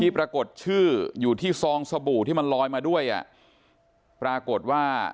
ปรากฏชื่ออยู่ที่ซองสบู่ที่มันลอยมาด้วยอ่ะปรากฏว่า